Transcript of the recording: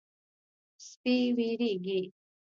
سپي وېرېږي.